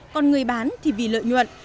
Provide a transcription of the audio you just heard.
còn người bán thì vì lợi nhuận